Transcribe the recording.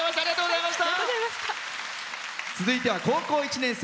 続いては高校１年生。